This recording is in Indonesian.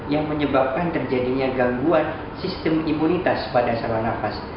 yang menyebabkan terjadinya gangguan sistem imunitas pada saluran nafas